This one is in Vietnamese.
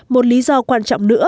một lý do quan trọng nữa